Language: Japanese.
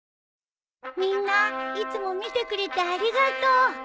みんないつも見てくれてありがとう。